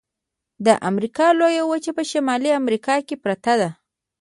د امریکا لویه وچه په شمالي امریکا کې پرته ده.